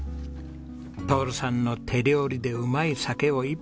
徹さんの手料理でうまい酒を一杯。